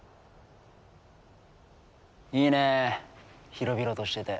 いいね広々としてて。